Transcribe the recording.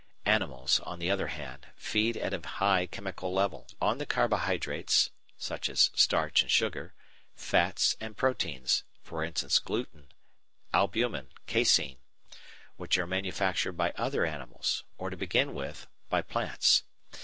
Animals, on the other hand, feed at a high chemical level, on the carbohydrates (e.g. starch and sugar), fats, and proteins (e.g. gluten, albumin, casein) which are manufactured by other animals, or to begin with, by plants.